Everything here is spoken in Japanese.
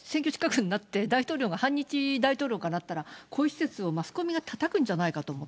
またマスコミが選挙近くになって、大統領が反日大統領がなったら、こういう施設をマスコミがたたくんじゃないかと思って。